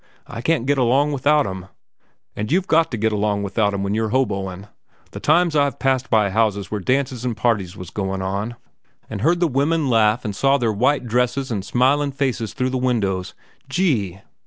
I can't get along without 'em, and you've got to get along without 'em when you're hoboin'. The times I've passed by houses where dances an' parties was goin' on, an' heard the women laugh, an' saw their white dresses and smiling faces through the windows—Gee!